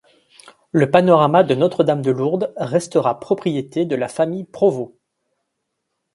Le Panorama de Notre Dame de Lourdes restera propriété de la famille Provost.